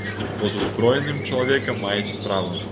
Бо з узброеным чалавекам маеце справу.